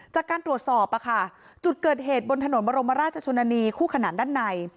จากการตรวจสอบจุดเกิดเหตุบนถนนบรมราชชนนานีคู่ขนานด้านใน